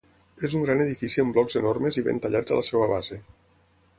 És un gran edifici amb blocs enormes i ben tallats a la seva base.